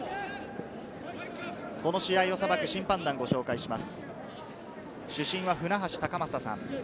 この試合を裁く審判団をご紹介します。